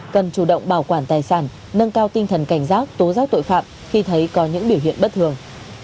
cần chủ động bảo quản tài sản nâng cao tinh thần cảnh giác tố giác tội phạm khi thấy có những biểu hiện bất thường